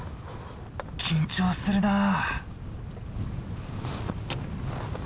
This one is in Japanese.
緊張するなあ。